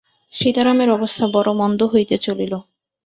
সীতারামের অবস্থা বড়ো মন্দ হইতে চলিল।